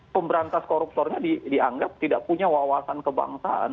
pemberantas koruptornya dianggap tidak punya wawasan kebangsaan